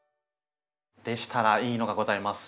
でしたらいいのがございます。